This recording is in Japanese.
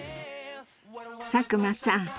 佐久間さん